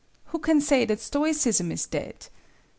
Who can say that stoicism is dead?